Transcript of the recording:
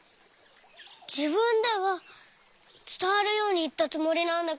じぶんではつたわるようにいったつもりなんだけど。